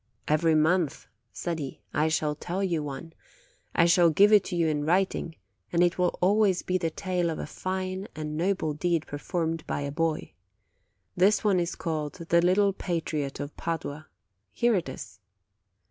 "Every month/' said he, "I shall tell you one; I shall give it to you in writing, and it will always be the tale of a fine and noble deed performed by a boy. This one is called The Little Patriot of Padua. Here it is.